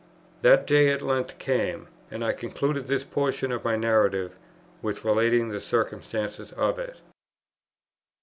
That day at length came, and I conclude this portion of my narrative, with relating the circumstances of it.